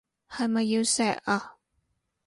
係咪要錫啊？